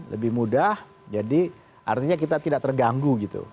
lebih mudah jadi artinya kita tidak terganggu gitu